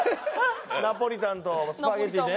ナポリタンとスパゲティね。